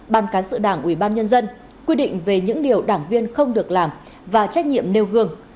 ban cán sự đảng ubnd quy định về những điều đảng viên không được làm và trách nhiệm nêu gương